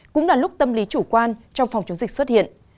cũng là lúc tâm lý chủ quan trong phòng chống dịch xuất hiện